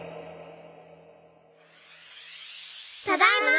ただいま！